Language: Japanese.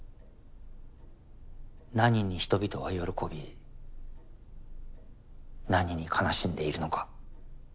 何に人々は喜び何に悲しんでいるのか。